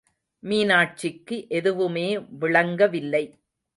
மீனாட்சிக்கு எதுவுமே விளங்கவில்லை.